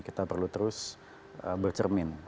kita perlu terus bercermin